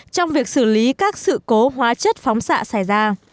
trong việc xử lý các sự cố hóa chất phóng xạ xảy ra